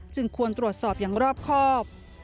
ควรตรวจสอบอย่างรอบครอบ